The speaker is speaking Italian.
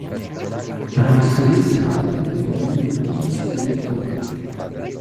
La pastorizia nomade è l'unica risorsa della regione.